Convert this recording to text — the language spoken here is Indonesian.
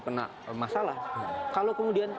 kena masalah kalau kemudian